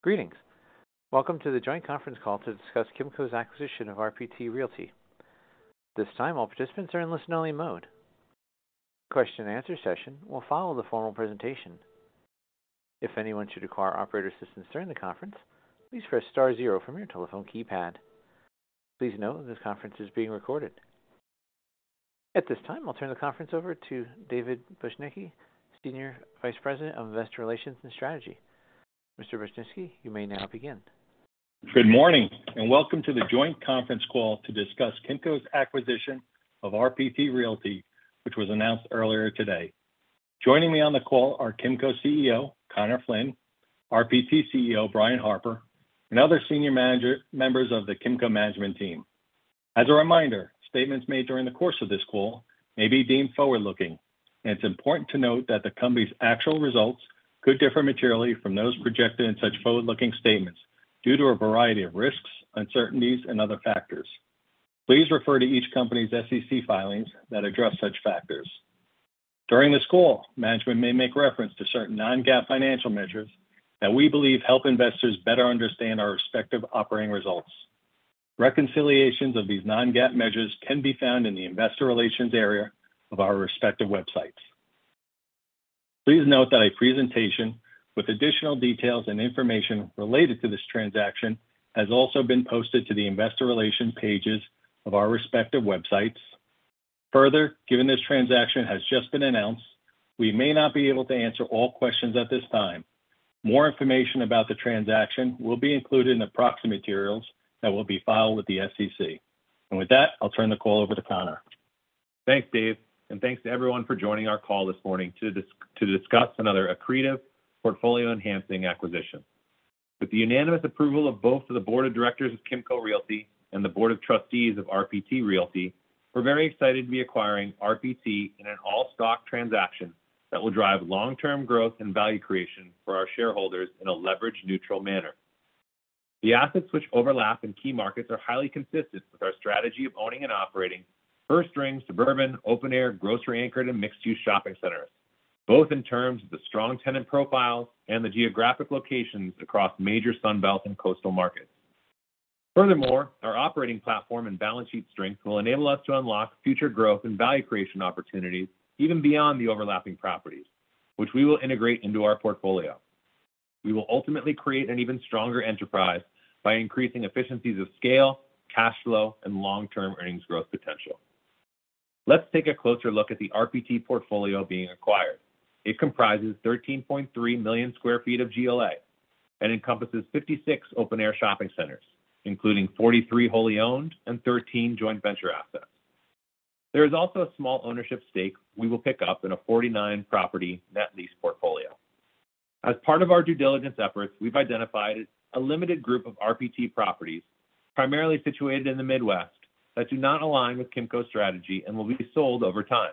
Greetings. Welcome to the joint conference call to discuss Kimco's acquisition of RPT Realty. This time, all participants are in listen-only mode. Question-and-answer session will follow the formal presentation. If anyone should require operator assistance during the conference, please press star zero from your telephone keypad. Please note, this conference is being recorded. At this time, I'll turn the conference over to David Bujnicki, Senior Vice President of Investor Relations and Strategy. Mr. Bujnicki, you may now begin. Good morning, and welcome to the joint conference call to discuss Kimco's acquisition of RPT Realty, which was announced earlier today. Joining me on the call are Kimco's CEO, Conor Flynn, RPT's CEO, Brian Harper, and other senior management members of the Kimco management team. As a reminder, statements made during the course of this call may be deemed forward-looking, and it's important to note that the company's actual results could differ materially from those projected in such forward-looking statements due to a variety of risks, uncertainties, and other factors. Please refer to each company's SEC filings that address such factors. During this call, management may make reference to certain non-GAAP financial measures that we believe help investors better understand our respective operating results. Reconciliations of these non-GAAP measures can be found in the investor relations area of our respective websites. Please note that a presentation with additional details and information related to this transaction has also been posted to the investor relations pages of our respective websites. Further, given this transaction has just been announced, we may not be able to answer all questions at this time. More information about the transaction will be included in the proxy materials that will be filed with the SEC. With that, I'll turn the call over to Conor. Thanks, Dave, and thanks to everyone for joining our call this morning to discuss another accretive portfolio-enhancing acquisition. With the unanimous approval of both the board of directors of Kimco Realty and the board of trustees of RPT Realty, we're very excited to be acquiring RPT in an all-stock transaction that will drive long-term growth and value creation for our shareholders in a leverage-neutral manner. The assets which overlap in key markets are highly consistent with our strategy of owning and operating first-ring, suburban, open-air, grocery-anchored, and mixed-use shopping centers, both in terms of the strong tenant profile and the geographic locations across major Sun Belt and coastal markets. Furthermore, our operating platform and balance sheet strength will enable us to unlock future growth and value creation opportunities even beyond the overlapping properties, which we will integrate into our portfolio. We will ultimately create an even stronger enterprise by increasing efficiencies of scale, cash flow, and long-term earnings growth potential. Let's take a closer look at the RPT portfolio being acquired. It comprises 13.3 million sq ft of GLA and encompasses 56 open-air shopping centers, including 43 wholly owned and 13 joint venture assets. There is also a small ownership stake we will pick up in a 49 property net lease portfolio. As part of our due diligence efforts, we've identified a limited group of RPT properties, primarily situated in the Midwest, that do not align with Kimco's strategy and will be sold over time.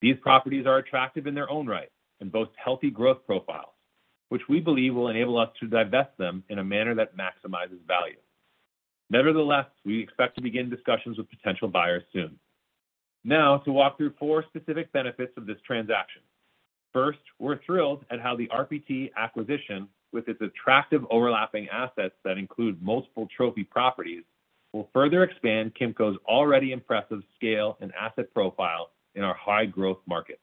These properties are attractive in their own right and boast healthy growth profiles, which we believe will enable us to divest them in a manner that maximizes value. Nevertheless, we expect to begin discussions with potential buyers soon. Now, to walk through four specific benefits of this transaction. First, we're thrilled at how the RPT acquisition, with its attractive overlapping assets that include multiple trophy properties, will further expand Kimco's already impressive scale and asset profile in our high-growth markets.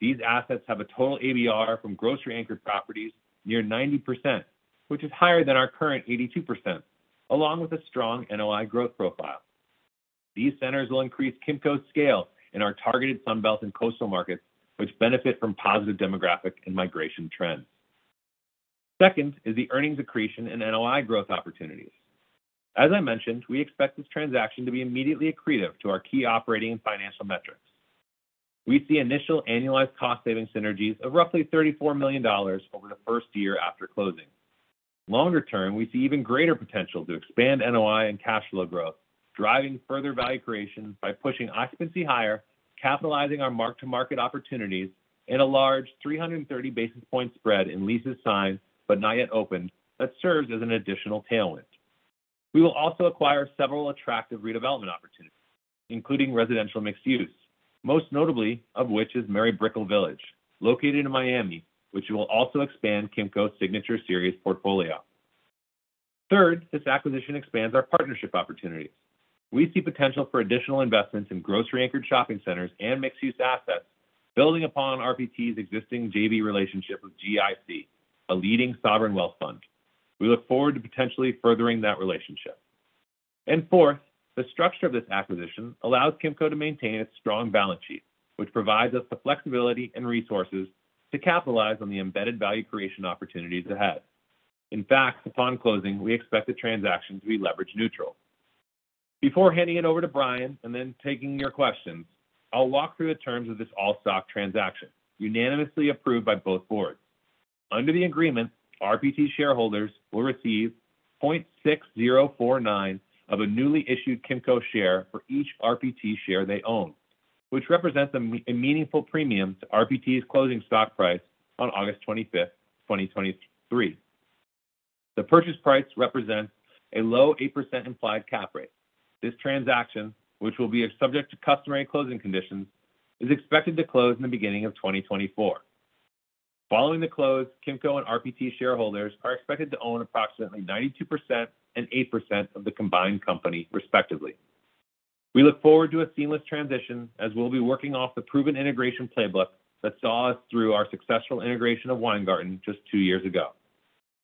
These assets have a total ABR from grocery anchored properties near 90%, which is higher than our current 82%, along with a strong NOI growth profile. These centers will increase Kimco's scale in our targeted Sun Belt and coastal markets, which benefit from positive demographic and migration trends. Second is the earnings accretion and NOI growth opportunities. As I mentioned, we expect this transaction to be immediately accretive to our key operating and financial metrics. We see initial annualized cost saving synergies of roughly $34 million over the first year after closing. Longer term, we see even greater potential to expand NOI and cash flow growth, driving further value creation by pushing occupancy higher, capitalizing our mark-to-market opportunities in a large 330 basis point spread in leases signed but not yet opened, that serves as an additional tailwind. We will also acquire several attractive redevelopment opportunities, including residential mixed use, most notably of which is Mary Brickell Village, located in Miami, which will also expand Kimco's signature series portfolio. Third, this acquisition expands our partnership opportunities. We see potential for additional investments in grocery-anchored shopping centers and mixed-use assets, building upon RPT's existing JV relationship with GIC, a leading sovereign wealth fund. We look forward to potentially furthering that relationship. Fourth, the structure of this acquisition allows Kimco to maintain its strong balance sheet, which provides us the flexibility and resources to capitalize on the embedded value creation opportunities ahead. In fact, upon closing, we expect the transaction to be leverage neutral. Before handing it over to Brian and then taking your questions, I'll walk through the terms of this all-stock transaction, unanimously approved by both boards. Under the agreement, RPT shareholders will receive 0.6049 of a newly issued Kimco share for each RPT share they own, which represents a meaningful premium to RPT's closing stock price on August 25th, 2023. The purchase price represents a low 8% implied cap rate. This transaction, which will be subject to customary closing conditions, is expected to close in the beginning of 2024. Following the close, Kimco and RPT shareholders are expected to own approximately 92% and 8% of the combined company respectively. We look forward to a seamless transition, as we'll be working off the proven integration playbook that saw us through our successful integration of Weingarten just two years ago.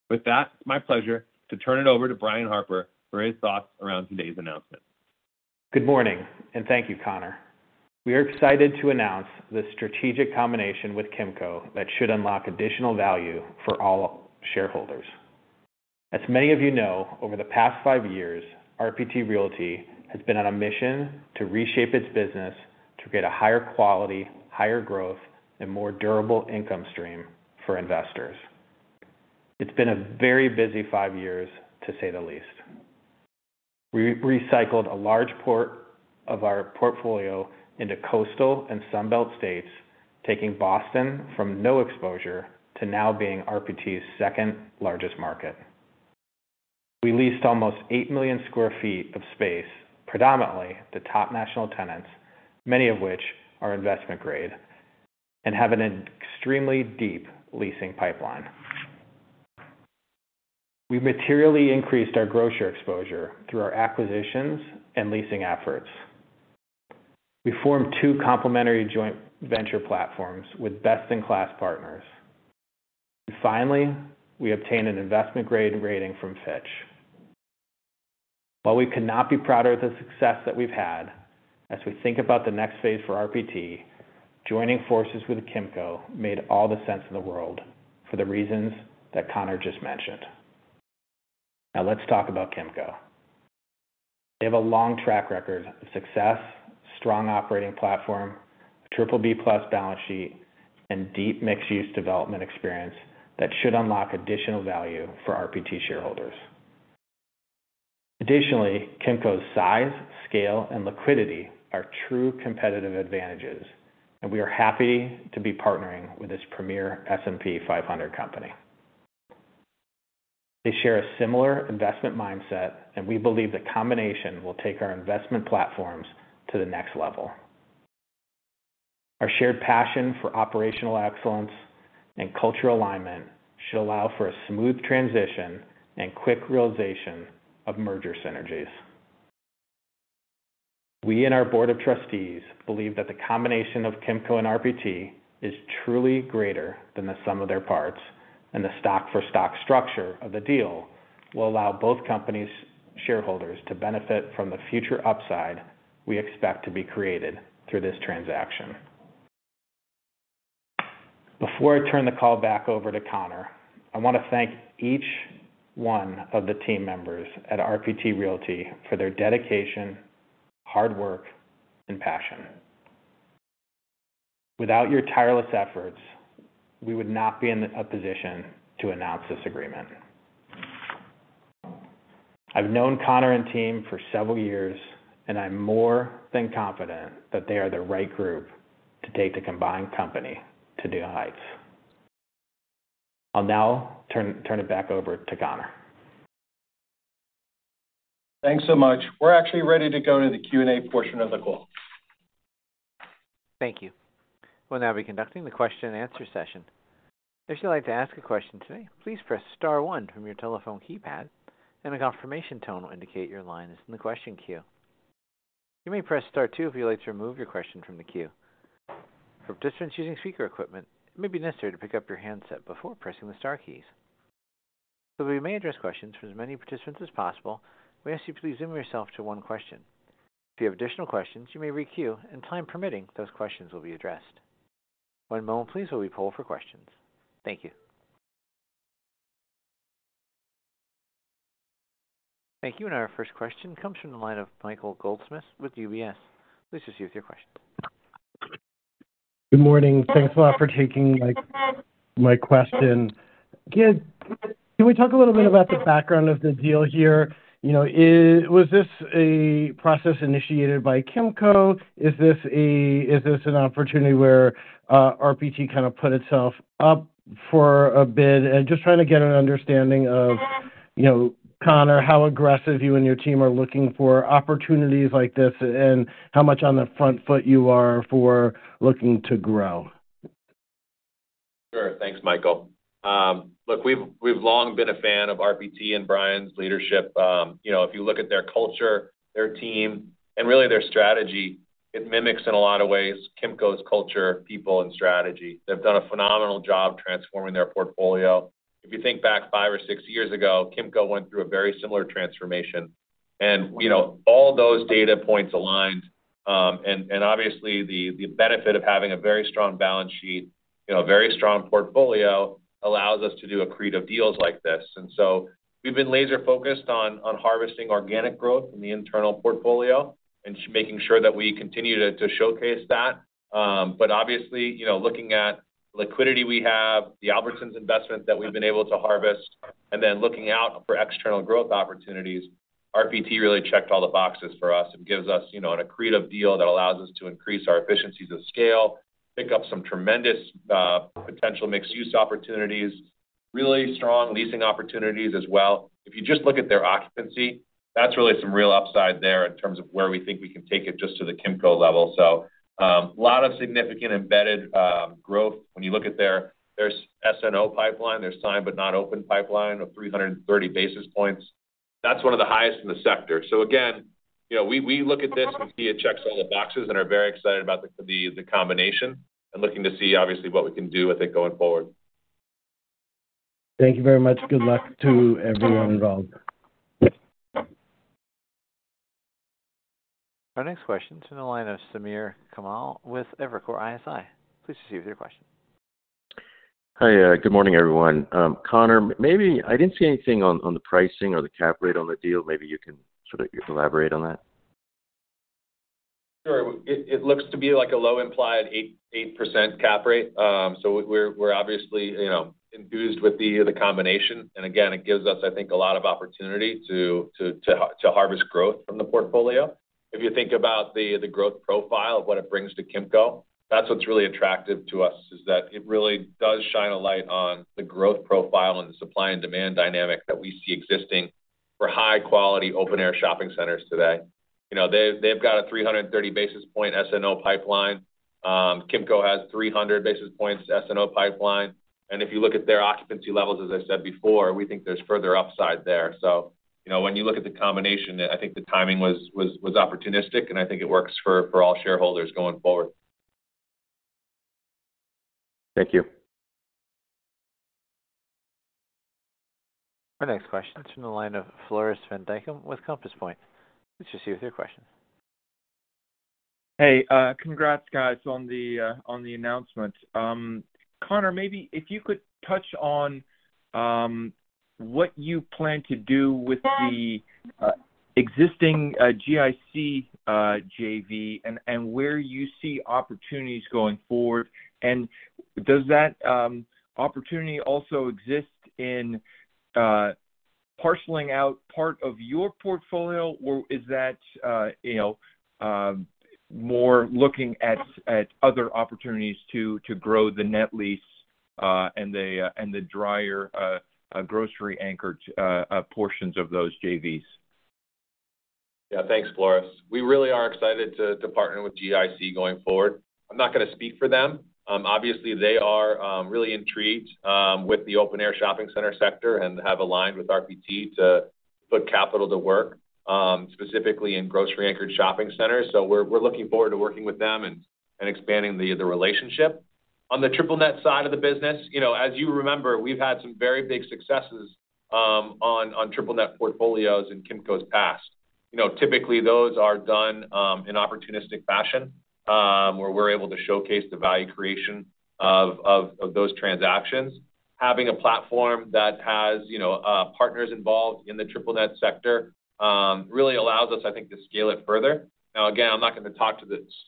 With that, it's my pleasure to turn it over to Brian Harper for his thoughts around today's announcement. Good morning, and thank you, Conor. We are excited to announce the strategic combination with Kimco that should unlock additional value for all shareholders. As many of you know, over the past five years, RPT Realty has been on a mission to reshape its business to create a higher quality, higher growth, and more durable income stream for investors. It's been a very busy five years, to say the least. We recycled a large portion of our portfolio into coastal and Sun Belt states, taking Boston from no exposure to now being RPT's second largest market. We leased almost 8 million sq ft of space, predominantly to top national tenants, many of which are investment grade and have an extremely deep leasing pipeline. We've materially increased our grocer exposure through our acquisitions and leasing efforts. We formed two complementary joint venture platforms with best-in-class partners. Finally, we obtained an investment-grade rating from Fitch. While we cannot be prouder of the success that we've had, as we think about the next phase for RPT, joining forces with Kimco made all the sense in the world for the reasons that Conor just mentioned. Now, let's talk about Kimco. They have a long track record of success, strong operating platform, BBB+ balance sheet, and deep mixed-use development experience that should unlock additional value for RPT shareholders. Additionally, Kimco's size, scale, and liquidity are true competitive advantages, and we are happy to be partnering with this premier S&P 500 company. They share a similar investment mindset, and we believe the combination will take our investment platforms to the next level. Our shared passion for operational excellence and cultural alignment should allow for a smooth transition and quick realization of merger synergies. We and our Board of Trustees believe that the combination of Kimco and RPT is truly greater than the sum of their parts, and the stock-for-stock structure of the deal will allow both companies' shareholders to benefit from the future upside we expect to be created through this transaction. Before I turn the call back over to Conor, I want to thank each one of the team members at RPT Realty for their dedication, hard work, and passion. Without your tireless efforts, we would not be in a position to announce this agreement. I've known Conor and team for several years, and I'm more than confident that they are the right group to take the combined company to new heights. I'll now turn it back over to Conor. Thanks so much. We're actually ready to go to the Q&A portion of the call. Thank you. We'll now be conducting the question-and-answer session. If you'd like to ask a question today, please press star one from your telephone keypad, and a confirmation tone will indicate your line is in the question queue. You may press star two if you'd like to remove your question from the queue. For participants using speaker equipment, it may be necessary to pick up your handset before pressing the star keys. So we may address questions from as many participants as possible, we ask you to please limit yourself to one question. If you have additional questions, you may re-queue, and time permitting, those questions will be addressed. One moment, please, while we poll for questions. Thank you. Thank you. And our first question comes from the line of Michael Goldsmith with UBS. Please proceed with your question. Good morning. Thanks a lot for taking my question. Can we talk a little bit about the background of the deal here? You know, was this a process initiated by Kimco? Is this an opportunity where RPT kind of put itself up for a bid? And just trying to get an understanding of, you know, Conor, how aggressive you and your team are looking for opportunities like this, and how much on the front foot you are for looking to grow. Sure. Thanks, Michael. Look, we've long been a fan of RPT and Brian's leadership. You know, if you look at their culture, their team, and really their strategy, it mimics in a lot of ways, Kimco's culture, people, and strategy. They've done a phenomenal job transforming their portfolio. If you think back five or six years ago, Kimco went through a very similar transformation. And, you know, all those data points aligned. And obviously, the benefit of having a very strong balance sheet, you know, a very strong portfolio, allows us to do accretive deals like this. And so we've been laser-focused on harvesting organic growth in the internal portfolio and making sure that we continue to showcase that. But obviously, you know, looking at liquidity we have, the Albertsons investment that we've been able to harvest, and then looking out for external growth opportunities, RPT really checked all the boxes for us and gives us, you know, an accretive deal that allows us to increase our efficiencies of scale, pick up some tremendous potential mixed-use opportunities... really strong leasing opportunities as well. If you just look at their occupancy, that's really some real upside there in terms of where we think we can take it just to the Kimco level. So, a lot of significant embedded growth when you look at their SNO pipeline, their signed but not open pipeline of 330 basis points. That's one of the highest in the sector. So again, you know, we look at this and see it checks all the boxes and are very excited about the combination, and looking to see obviously what we can do with it going forward. Thank you very much. Good luck to everyone involved. Our next question is in the line of Samir Khanal with Evercore ISI. Please proceed with your question. Hi, good morning, everyone. Conor, maybe I didn't see anything on the pricing or the cap rate on the deal. Maybe you can sort of elaborate on that. Sure. It looks to be like a low implied 8% cap rate. So we're obviously, you know, enthused with the combination. And again, it gives us, I think, a lot of opportunity to harvest growth from the portfolio. If you think about the growth profile of what it brings to Kimco, that's what's really attractive to us, is that it really does shine a light on the growth profile and the supply and demand dynamic that we see existing for high-quality open-air shopping centers today. You know, they've got a 330 basis point SNO pipeline. Kimco has 300 basis points SNO pipeline. And if you look at their occupancy levels, as I said before, we think there's further upside there. So, you know, when you look at the combination, I think the timing was opportunistic, and I think it works for all shareholders going forward. Thank you. Our next question is from the line of Floris van Dijck with Compass Point. Please proceed with your question. Hey, congrats, guys, on the announcement. Conor, maybe if you could touch on what you plan to do with the existing GIC JV, and where you see opportunities going forward. And does that opportunity also exist in parceling out part of your portfolio, or is that, you know, more looking at other opportunities to grow the net lease and the drier grocery-anchored portions of those JVs? Yeah. Thanks, Floris. We really are excited to partner with GIC going forward. I'm not gonna speak for them. Obviously, they are really intrigued with the open-air shopping center sector and have aligned with RPT to put capital to work specifically in grocery-anchored shopping centers. So we're looking forward to working with them and expanding the relationship. On the triple net side of the business, you know, as you remember, we've had some very big successes on triple net portfolios in Kimco's past. You know, typically, those are done in opportunistic fashion where we're able to showcase the value creation of those transactions. Having a platform that has, you know, partners involved in the triple net sector really allows us, I think, to scale it further. Now, again, I'm not gonna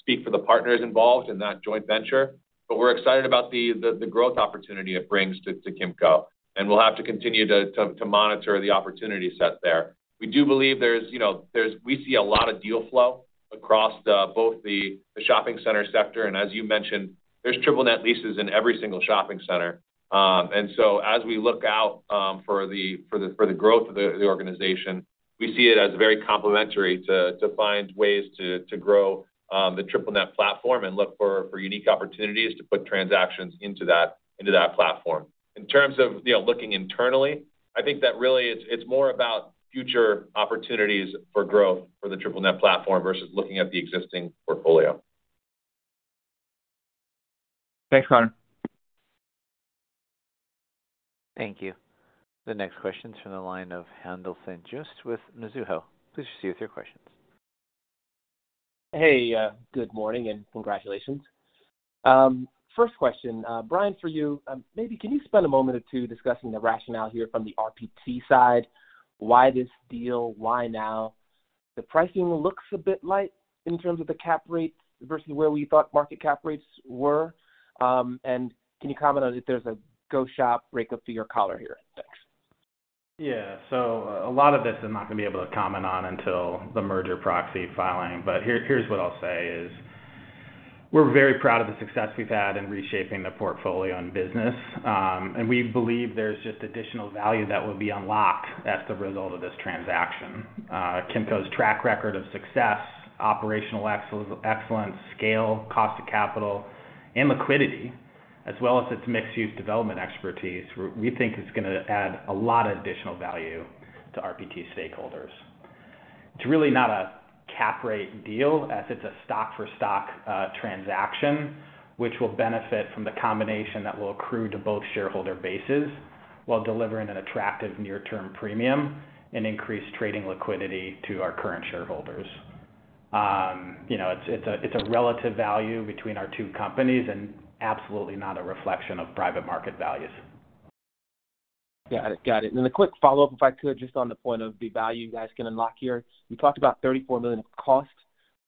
speak for the partners involved in that joint venture, but we're excited about the growth opportunity it brings to Kimco, and we'll have to continue to monitor the opportunity set there. We do believe there's, you know, we see a lot of deal flow across both the shopping center sector, and as you mentioned, there's triple net leases in every single shopping center. And so as we look out for the growth of the organization, we see it as very complementary to find ways to grow the triple net platform and look for unique opportunities to put transactions into that platform. In terms of, you know, looking internally, I think that really it's, it's more about future opportunities for growth for the triple net platform versus looking at the existing portfolio. Thanks, Conor. Thank you. The next question is from the line of Haendel St. Juste with Mizuho. Please proceed with your questions. Hey, good morning, and congratulations. First question, Brian, for you, maybe can you spend a moment or two discussing the rationale here from the RPT side? Why this deal? Why now? The pricing looks a bit light in terms of the cap rates versus where we thought market cap rates were. And can you comment on if there's a go shop breakup to your collar here? Thanks. Yeah. So a lot of this I'm not gonna be able to comment on until the merger proxy filing, but here, here's what I'll say is: We're very proud of the success we've had in reshaping the portfolio and business, and we believe there's just additional value that will be unlocked as the result of this transaction. Kimco's track record of success, operational excellence, scale, cost of capital, and liquidity, as well as its mixed-use development expertise, we think is gonna add a lot of additional value to RPT stakeholders. It's really not a cap rate deal, as it's a stock-for-stock transaction, which will benefit from the combination that will accrue to both shareholder bases while delivering an attractive near-term premium and increased trading liquidity to our current shareholders. You know, it's a relative value between our two companies and absolutely not a reflection of private market values. Got it. Got it. And then a quick follow-up, if I could, just on the point of the value you guys can unlock here. You talked about $34 million in cost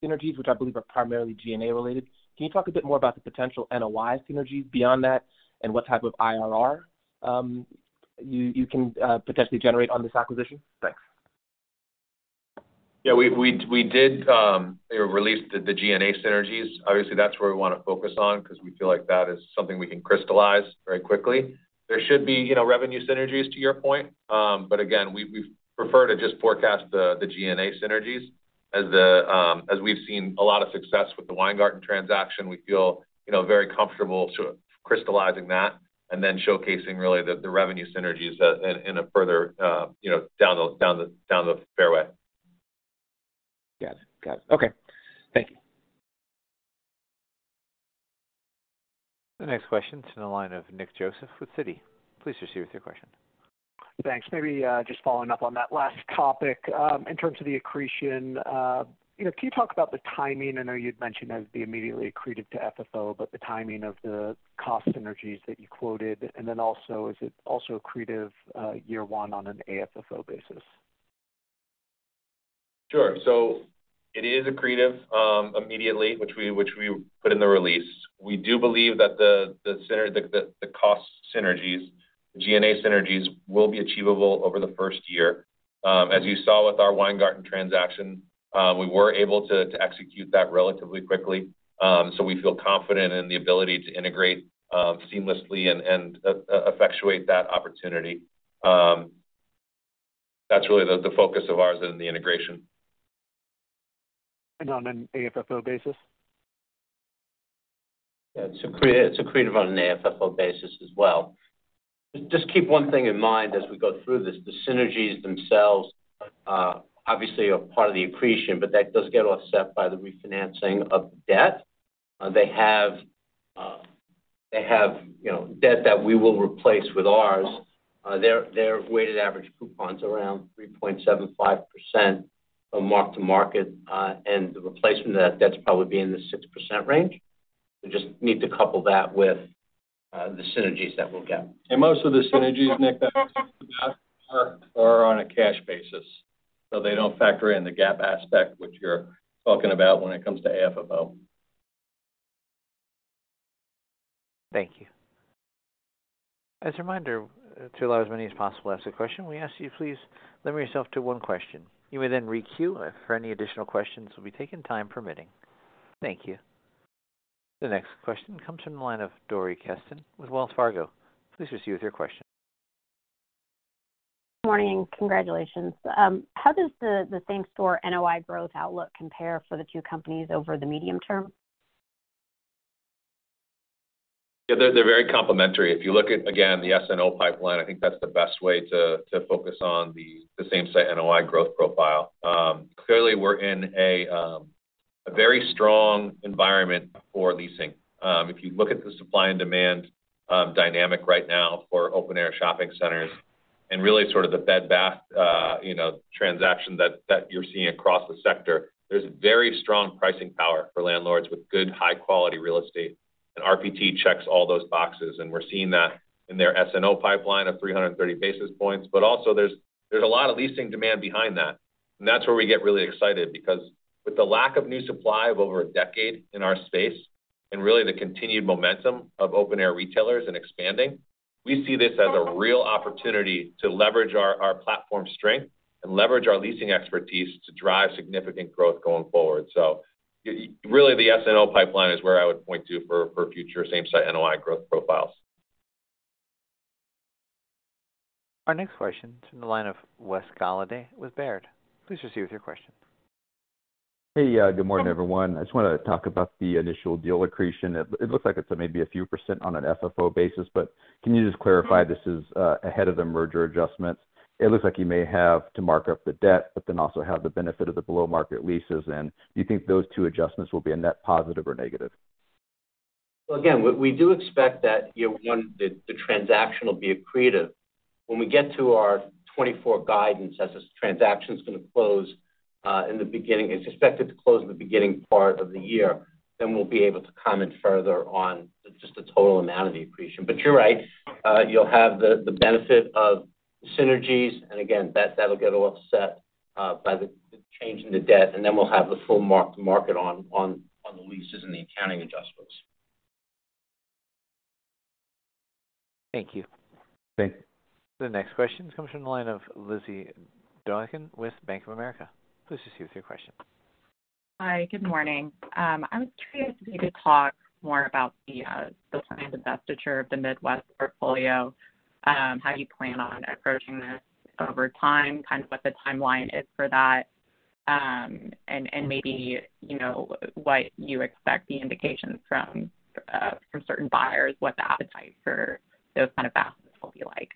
synergies, which I believe are primarily G&A related. Can you talk a bit more about the potential NOI synergies beyond that, and what type of IRR you can potentially generate on this acquisition? Thanks. ... Yeah, we did release the G&A synergies. Obviously, that's where we wanna focus on, 'cause we feel like that is something we can crystallize very quickly. There should be, you know, revenue synergies to your point. But again, we prefer to just forecast the G&A synergies. As we've seen a lot of success with the Weingarten transaction, we feel, you know, very comfortable sort of crystallizing that and then showcasing really the revenue synergies in a further, you know, down the fairway. Got it. Got it. Okay. Thank you. The next question is in the line of Nick Joseph with Citi. Please proceed with your question. Thanks. Maybe, just following up on that last topic, in terms of the accretion, you know, can you talk about the timing? I know you'd mentioned as being immediately accretive to FFO, but the timing of the cost synergies that you quoted, and then also, is it also accretive, year one on an AFFO basis? Sure. So it is accretive, immediately, which we put in the release. We do believe that the cost synergies, G&A synergies, will be achievable over the first year. As you saw with our Weingarten transaction, we were able to execute that relatively quickly. So we feel confident in the ability to integrate seamlessly and effectuate that opportunity. That's really the focus of ours in the integration. On an AFFO basis? Yeah, it's accretive, accretive on an AFFO basis as well. Just keep one thing in mind as we go through this, the synergies themselves, obviously are part of the accretion, but that does get offset by the refinancing of debt. They have, you know, debt that we will replace with ours. Their weighted average coupon's around 3.75% of mark-to-market, and the replacement of that debt will probably be in the 6% range. We just need to couple that with, the synergies that we'll get. Most of the synergies, Nick, are on a cash basis, so they don't factor in the GAAP aspect, which you're talking about when it comes to AFFO. Thank you. As a reminder, to allow as many as possible to ask a question, we ask you, please limit yourself to one question. You may then requeue for any additional questions will be taken, time permitting. Thank you. The next question comes from the line of Dori Kesten with Wells Fargo. Please proceed with your question. Morning. Congratulations. How does the same store NOI growth outlook compare for the two companies over the medium term? Yeah, they're very complementary. If you look at, again, the SNO pipeline, I think that's the best way to focus on the same-site NOI growth profile. Clearly, we're in a very strong environment for leasing. If you look at the supply and demand dynamic right now for open-air shopping centers and really sort of the Bed Bath you know transaction that you're seeing across the sector, there's very strong pricing power for landlords with good, high-quality real estate. And RPT checks all those boxes, and we're seeing that in their SNO pipeline of 330 basis points. But also there's a lot of leasing demand behind that. That's where we get really excited, because with the lack of new supply of over a decade in our space, and really the continued momentum of open-air retailers in expanding, we see this as a real opportunity to leverage our platform strength and leverage our leasing expertise to drive significant growth going forward. So really, the SNO pipeline is where I would point to for future same-site NOI growth profiles. Our next question is from the line of Wes Golladay with Baird. Please proceed with your question. Hey, good morning, everyone. I just wanna talk about the initial deal accretion. It looks like it's maybe a few% on an FFO basis, but can you just clarify this is ahead of the merger adjustments? It looks like you may have to mark up the debt, but then also have the benefit of the below-market leases. And do you think those two adjustments will be a net positive or negative? Well, again, we do expect that year one, the transaction will be accretive. When we get to our 2024 guidance, as this transaction is gonna close in the beginning, it's expected to close in the beginning part of the year, then we'll be able to comment further on just the total amount of the accretion. But you're right, you'll have the benefit of synergies, and again, that'll get offset by the change in the debt, and then we'll have the full mark-to-market on the leases and the accounting adjustments. Thank you. Thanks. The next question comes from the line of Lizzy Doykan with Bank of America. Please proceed with your question. Hi, good morning. I was curious if you could talk more about the divestiture of the Midwest portfolio, how you plan on approaching this over time, kind of what the timeline is for that, and maybe, you know, what you expect the indications from certain buyers, what the appetite for those kind of assets will be like.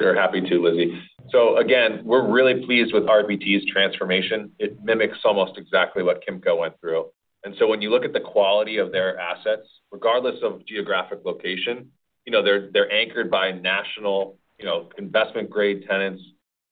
Sure. Happy to, Lizzy. So again, we're really pleased with RPT's transformation. It mimics almost exactly what Kimco went through. And so when you look at the quality of their assets, regardless of geographic location, you know, they're anchored by national, you know, investment-grade tenants,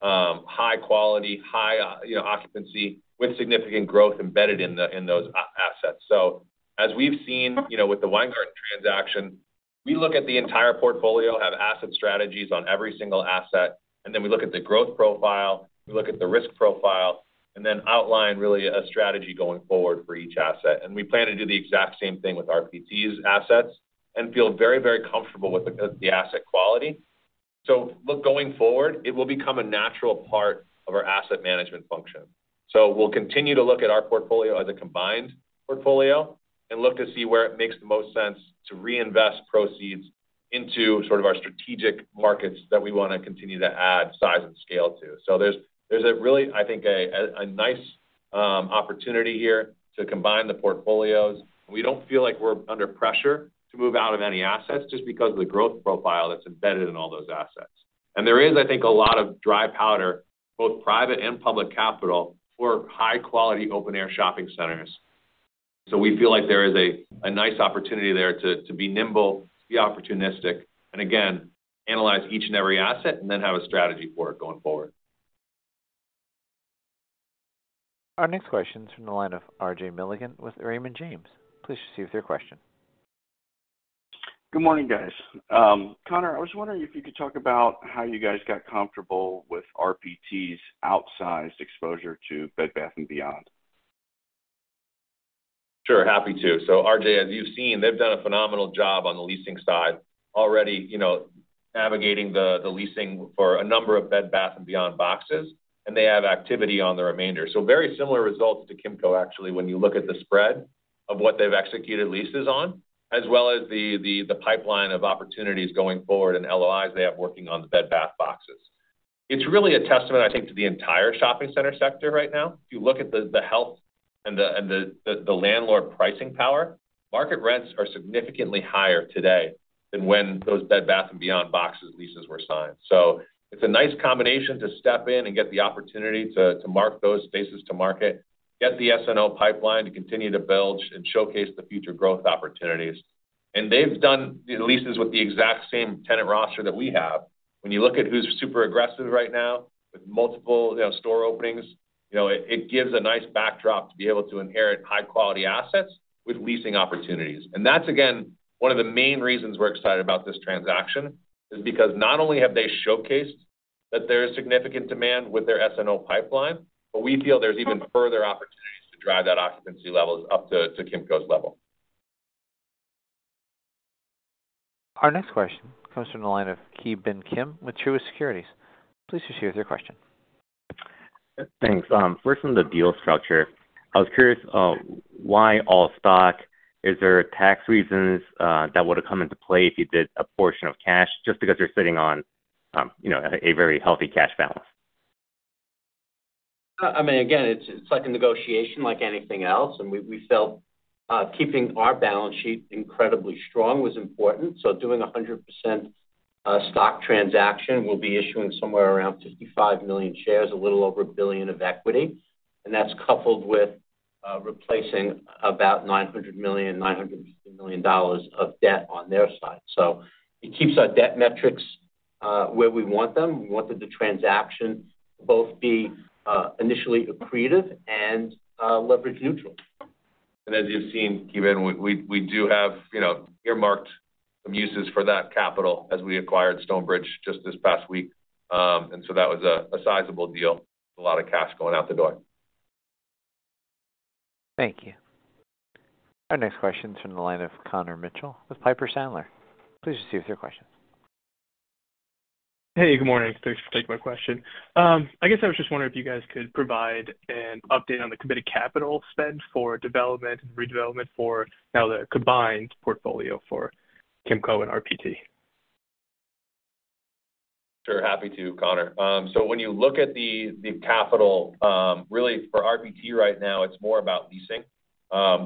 high quality, high occupancy, with significant growth embedded in those assets. So as we've seen, you know, with the Weingarten transaction, we look at the entire portfolio, have asset strategies on every single asset, and then we look at the growth profile, we look at the risk profile... and then outline really a strategy going forward for each asset. And we plan to do the exact same thing with RPT's assets and feel very, very comfortable with the asset quality. So look, going forward, it will become a natural part of our asset management function. So we'll continue to look at our portfolio as a combined portfolio, and look to see where it makes the most sense to reinvest proceeds into sort of our strategic markets that we wanna continue to add size and scale to. So there's a really, I think, a nice opportunity here to combine the portfolios. We don't feel like we're under pressure to move out of any assets, just because of the growth profile that's embedded in all those assets. And there is, I think, a lot of dry powder, both private and public capital, for high-quality open-air shopping centers. So we feel like there is a nice opportunity there to be nimble, be opportunistic, and again, analyze each and every asset, and then have a strategy for it going forward. Our next question is from the line of RJ Milligan with Raymond James. Please proceed with your question. Good morning, guys. Conor, I was wondering if you could talk about how you guys got comfortable with RPT's outsized exposure to Bed Bath & Beyond? Sure, happy to. So RJ, as you've seen, they've done a phenomenal job on the leasing side, already, you know, navigating the leasing for a number of Bed Bath & Beyond boxes, and they have activity on the remainder. So very similar results to Kimco, actually, when you look at the spread of what they've executed leases on, as well as the pipeline of opportunities going forward and LOIs they have working on the Bed Bath boxes. It's really a testament, I think, to the entire shopping center sector right now. If you look at the health and the landlord pricing power, market rents are significantly higher today than when those Bed Bath & Beyond boxes leases were signed. So it's a nice combination to step in and get the opportunity to mark those spaces to market, get the SNO pipeline to continue to build and showcase the future growth opportunities. And they've done the leases with the exact same tenant roster that we have. When you look at who's super aggressive right now, with multiple, you know, store openings, you know, it gives a nice backdrop to be able to inherit high-quality assets with leasing opportunities. And that's, again, one of the main reasons we're excited about this transaction, is because not only have they showcased that there's significant demand with their SNO pipeline, but we feel there's even further opportunities to drive that occupancy levels up to Kimco's level. Our next question comes from the line of Ki Bin Kim with Truist Securities. Please proceed with your question. Thanks. First, on the deal structure, I was curious, why all stock? Is there tax reasons, that would have come into play if you did a portion of cash, just because you're sitting on, you know, a very healthy cash balance? I mean, again, it's like a negotiation like anything else, and we felt keeping our balance sheet incredibly strong was important. So doing a 100% stock transaction, we'll be issuing somewhere around 55 million shares, a little over $1 billion of equity. And that's coupled with replacing about $950 million of debt on their side. So it keeps our debt metrics where we want them. We wanted the transaction to both be initially accretive and leverage neutral. As you've seen, Ki Bin, we do have, you know, earmarked some uses for that capital as we acquired Stonebridge just this past week. And so that was a sizable deal, a lot of cash going out the door. Thank you. Our next question is from the line of Connor Mitchell with Piper Sandler. Please proceed with your question. Hey, good morning. Thanks for taking my question. I guess I was just wondering if you guys could provide an update on the committed capital spend for development and redevelopment for now the combined portfolio for Kimco and RPT. Sure, happy to, Connor. So when you look at the capital really for RPT right now, it's more about leasing.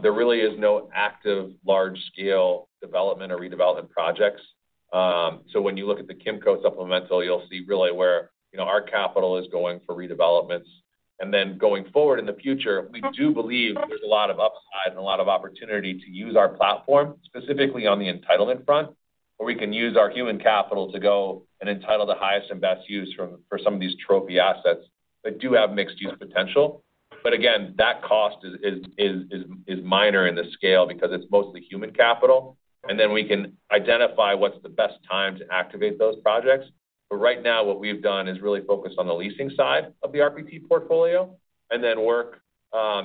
There really is no active large-scale development or redevelopment projects. So when you look at the Kimco supplemental, you'll see really where, you know, our capital is going for redevelopments. And then going forward in the future, we do believe there's a lot of upside and a lot of opportunity to use our platform, specifically on the entitlement front, where we can use our human capital to go and entitle the highest and best use for some of these trophy assets that do have mixed-use potential. But again, that cost is minor in the scale because it's mostly human capital, and then we can identify what's the best time to activate those projects. But right now, what we've done is really focus on the leasing side of the RPT portfolio, and then work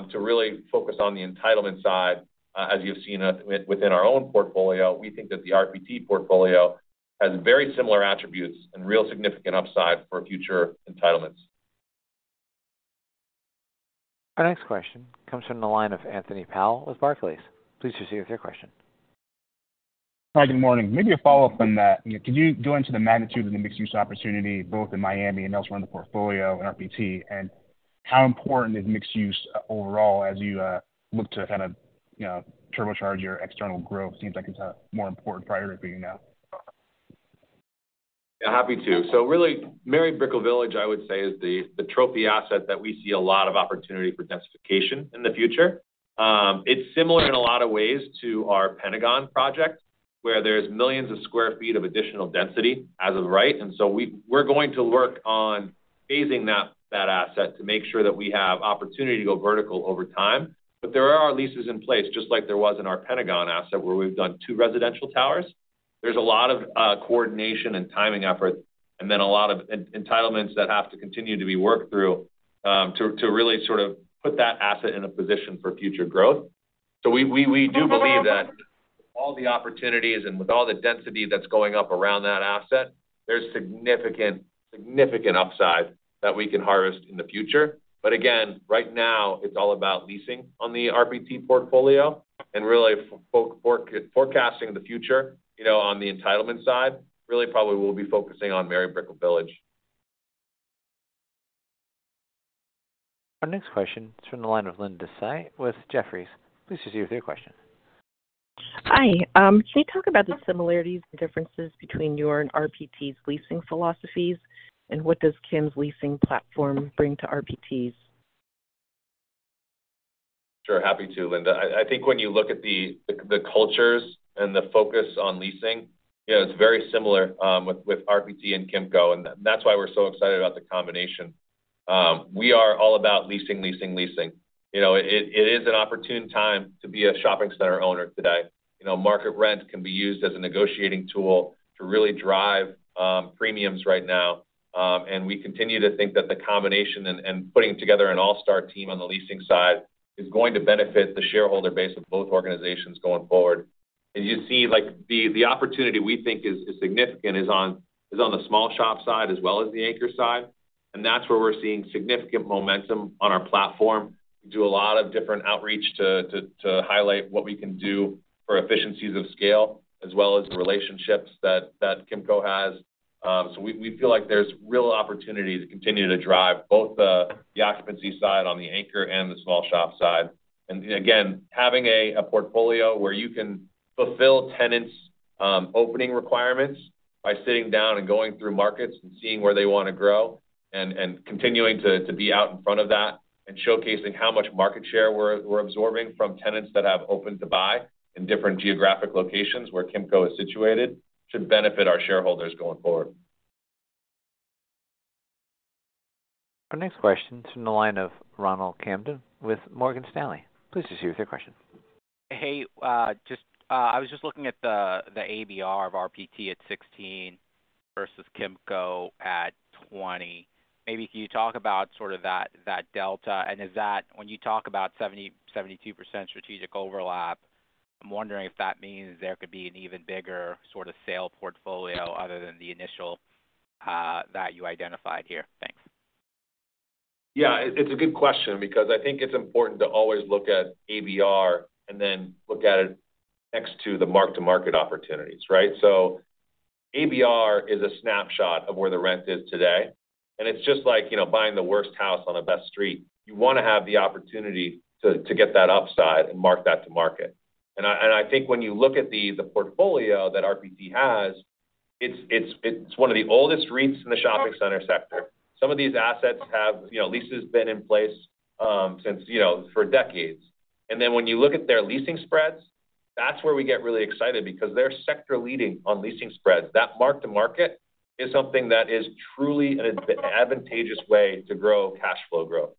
to really focus on the entitlement side. As you've seen us within our own portfolio, we think that the RPT portfolio has very similar attributes and real significant upside for future entitlements. Our next question comes from the line of Anthony Powell with Barclays. Please proceed with your question. Hi, good morning. Maybe a follow-up on that. Can you go into the magnitude of the mixed-use opportunity, both in Miami and elsewhere in the portfolio in RPT, and how important is mixed use overall as you look to kind of, you know, turbocharge your external growth? Seems like it's a more important priority now. Yeah, happy to. So really, Mary Brickell Village, I would say, is the trophy asset that we see a lot of opportunity for densification in the future. It's similar in a lot of ways to our Pentagon project, where there's millions of sq ft of additional density as of right. And so we're going to work on phasing that asset to make sure that we have opportunity to go vertical over time. But there are leases in place, just like there was in our Pentagon asset, where we've done two residential towers. There's a lot of coordination and timing effort, and then a lot of entitlements that have to continue to be worked through, to really sort of put that asset in a position for future growth. So we do believe that all the opportunities and with all the density that's going up around that asset, there's significant, significant upside that we can harvest in the future. But again, right now, it's all about leasing on the RPT portfolio and really forecasting the future, you know, on the entitlement side, really probably we'll be focusing on Mary Brickell Village. Our next question is from the line of Linda Tsai with Jefferies. Please proceed with your question. Hi. Can you talk about the similarities and differences between your and RPT's leasing philosophies, and what does Kim's leasing platform bring to RPT's? Sure, happy to, Linda. I think when you look at the cultures and the focus on leasing, you know, it's very similar with RPT and Kimco, and that's why we're so excited about the combination. We are all about leasing, leasing, leasing. You know, it is an opportune time to be a shopping center owner today. You know, market rent can be used as a negotiating tool to really drive premiums right now. And we continue to think that the combination and putting together an all-star team on the leasing side is going to benefit the shareholder base of both organizations going forward. And you see, like, the opportunity we think is significant is on the small shop side as well as the anchor side, and that's where we're seeing significant momentum on our platform. We do a lot of different outreach to highlight what we can do for efficiencies of scale, as well as the relationships that Kimco has. So we feel like there's real opportunity to continue to drive both the occupancy side on the anchor and the small shop side. And again, having a portfolio where you can fulfill tenants' opening requirements by sitting down and going through markets and seeing where they wanna grow and continuing to be out in front of that, and showcasing how much market share we're absorbing from tenants that have open to buy in different geographic locations where Kimco is situated, should benefit our shareholders going forward. Our next question is from the line of Ronald Kamdem with Morgan Stanley. Please proceed with your question. Hey, just, I was just looking at the ABR of RPT at 16 versus Kimco at 20. Maybe can you talk about sort of that delta? And is that when you talk about 70%, 72% strategic overlap, I'm wondering if that means there could be an even bigger sort of sale portfolio other than the initial that you identified here. Thanks. Yeah, it's a good question because I think it's important to always look at ABR and then look at it next to the mark-to-market opportunities, right? So ABR is a snapshot of where the rent is today, and it's just like, you know, buying the worst house on the best street. You wanna have the opportunity to get that upside and mark that to market. And I think when you look at the portfolio that RPT has, it's one of the oldest REITs in the shopping center sector. Some of these assets have, you know, leases been in place since, you know, for decades. And then when you look at their leasing spreads, that's where we get really excited because they're sector-leading on leasing spreads. That mark to market is something that is truly an advantageous way to grow cash flow growth.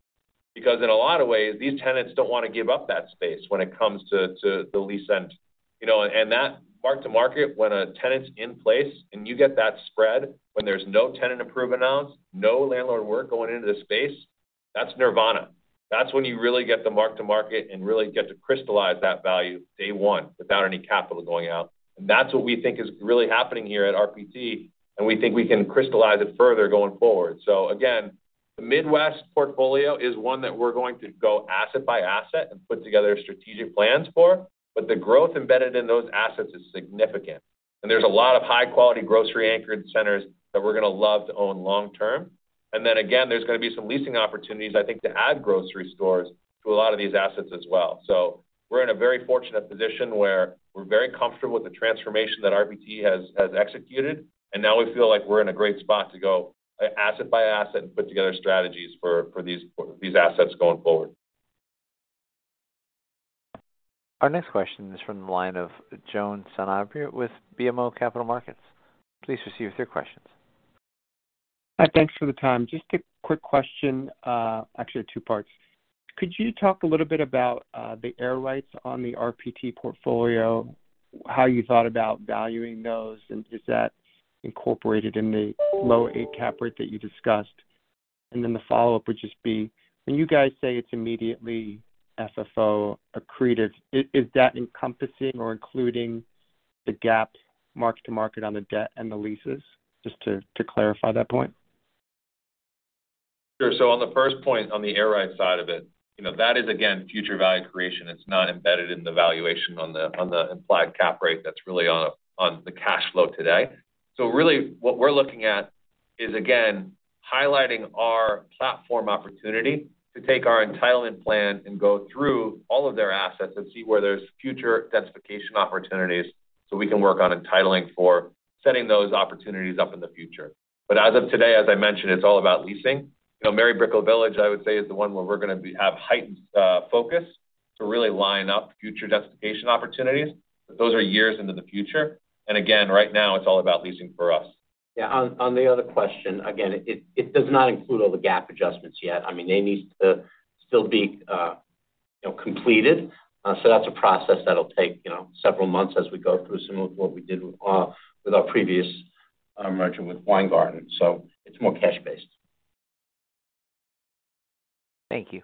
Because in a lot of ways, these tenants don't wanna give up that space when it comes to the lease end. You know, and that mark-to-market, when a tenant's in place and you get that spread, when there's no tenant improvement announced, no landlord work going into the space, that's nirvana. That's when you really get to mark-to-market and really get to crystallize that value day one without any capital going out. And that's what we think is really happening here at RPT, and we think we can crystallize it further going forward. So again, the Midwest portfolio is one that we're going to go asset by asset and put together strategic plans for, but the growth embedded in those assets is significant, and there's a lot of high-quality, grocery-anchored centers that we're gonna love to own long term. And then again, there's gonna be some leasing opportunities, I think, to add grocery stores to a lot of these assets as well. So we're in a very fortunate position where we're very comfortable with the transformation that RPT has executed, and now we feel like we're in a great spot to go asset by asset and put together strategies for these assets going forward. Our next question is from the line of Juan Sanabria with BMO Capital Markets. Please proceed with your questions. Thanks for the time. Just a quick question, actually, two parts. Could you talk a little bit about the air rights on the RPT portfolio, how you thought about valuing those, and is that incorporated in the low eight cap rate that you discussed? And then the follow-up would just be, when you guys say it's immediately FFO accretive, is, is that encompassing or including the GAAP mark-to-market on the debt and the leases? Just to clarify that point. Sure. So on the first point, on the air rights side of it, you know, that is again, future value creation. It's not embedded in the valuation on the, on the implied cap rate. That's really on, on the cash flow today. So really, what we're looking at is, again, highlighting our platform opportunity to take our entitlement plan and go through all of their assets and see where there's future densification opportunities, so we can work on entitling for setting those opportunities up in the future. But as of today, as I mentioned, it's all about leasing. You know, Mary Brickell Village, I would say, is the one where we're gonna be have heightened focus to really line up future densification opportunities. But those are years into the future, and again, right now, it's all about leasing for us. Yeah, on the other question, again, it does not include all the GAAP adjustments yet. I mean, they need to still be, you know, completed. So that's a process that'll take, you know, several months as we go through, similar to what we did, with our previous merger with Weingarten. So it's more cash based. Thank you.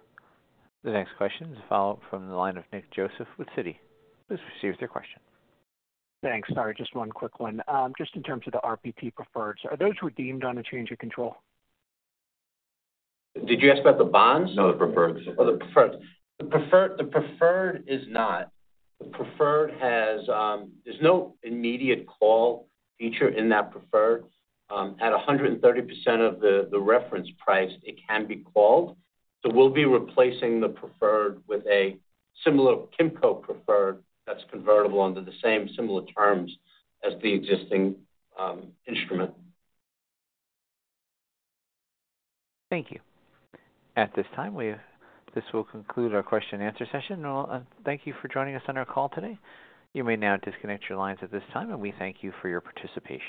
The next question is a follow-up from the line of Nick Joseph with Citi. Please proceed with your question. Thanks. Sorry, just one quick one. Just in terms of the RPT preferreds, are those redeemed on a change of control? Did you ask about the bonds? No, the preferreds. Oh, the preferred is not. The preferred has, there's no immediate call feature in that preferred. At 130% of the reference price, it can be called. So we'll be replacing the preferred with a similar Kimco preferred that's convertible under the same similar terms as the existing instrument. Thank you. At this time, this will conclude our question-and-answer session. Well, thank you for joining us on our call today. You may now disconnect your lines at this time, and we thank you for your participation.